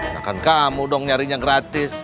nah kan kamu dong nyarinya gratis